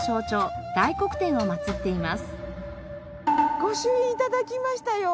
御朱印頂きましたよ。